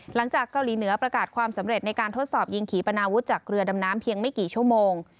หลังจากเกาหลีเหนือประกาศความสำเร็จในการทดสอบยิงขี่ปนาวุธจากเรือดำน้ำเพียงไม่กี่ชั่วโมง